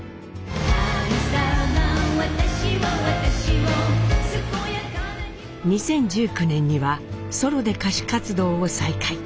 神様私は私を健やかな日２０１９年にはソロで歌手活動を再開。